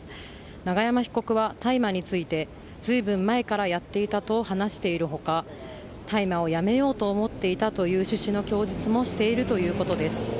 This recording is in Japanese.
永山被告は大麻について随分前からやっていたと話している他大麻をやめようと思っていたという趣旨の供述もしているということです。